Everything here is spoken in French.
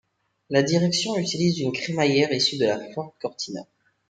La direction utilise une crémaillère issue de la Ford Cortina.